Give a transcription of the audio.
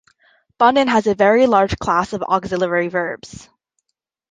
Bunun has a very large class of auxiliary verbs.